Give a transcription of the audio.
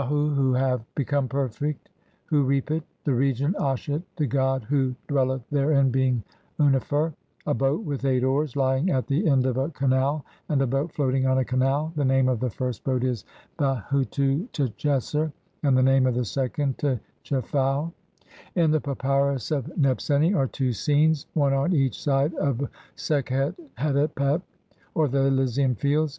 hu who have become perfect who reap it ; the region Ashet, the god who dwelleth therein being Unnefer ; a boat with eight oars, lying at the end of a canal ; and a boat floating on a canal. The name of the first boat is "Behutu tcheser", and the name of the second, "Tchefau". In the Papyrus of Nebseni are two scenes, one on each side of "Sekhet hetepet", or the Elysian Fields.